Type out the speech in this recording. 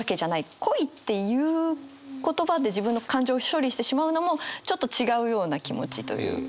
「恋」っていう言葉で自分の感情を処理してしまうのもちょっと違うような気持ちというか。